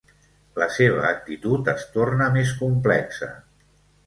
La seva actitud es torna més complexa.